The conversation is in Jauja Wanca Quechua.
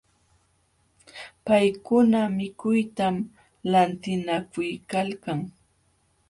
Paykuna mikuytam lantinakuykalkan.